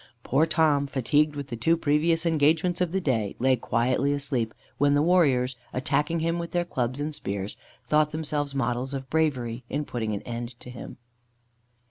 Poor Tom, fatigued with the two previous engagements of the day, lay quietly asleep, when the warriors, attacking him with their clubs and spears, thought themselves models of bravery in putting an end to him.